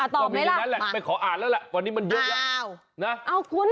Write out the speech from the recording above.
ตอบไหมล่ะมาอ่าวเอาคุณ